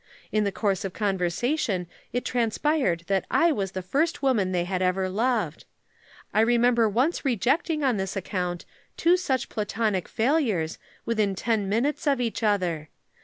In the course of conversation it transpired that I was the first woman they had ever loved. I remember once rejecting on this account two such Platonic failures, within ten minutes of each other.